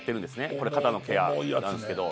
これ、肩のケアなんですけど。